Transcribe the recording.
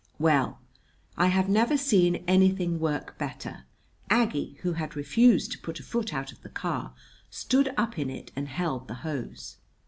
Well, I have never seen anything work better. Aggie, who had refused to put a foot out of the car, stood up in it and held the hose.